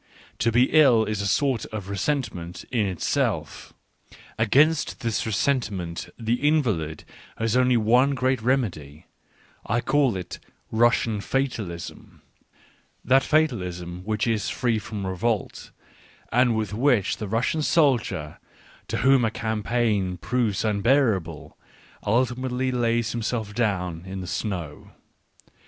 To be ill is a sort of resentment in itselfj Against this resentment the invalid has only one great remedy — I call it Russian fatalism^ that fatalism which is free from revolt, and with which the Russian soldier, to whom a campaign proves unbearable, ultimately lays himself down in the snow.